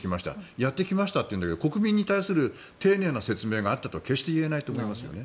やってきましたというけど国民に対する丁寧な説明があったとは決して言えないと思います。